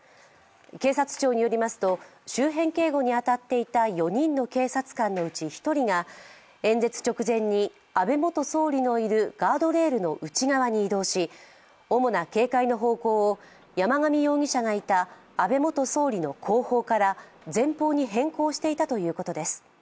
警察庁によりますと、周辺警護に当たっていた４人の警察官のうち１人が演説直前に安倍元総理のいるガードレールの内側に移動し主な警戒の方向を山上容疑者がいた安倍元総理の後方から前方に変更していたということです。